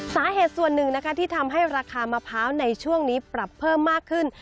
สาเหตุส่วนหนึ่งนะคะที่ทำให้ราคามะพร้าวในช่วงนี้ปรับเพิ่มมากขึ้น